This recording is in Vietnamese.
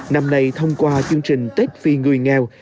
năm nay thông qua chương trình tết vì người nghèo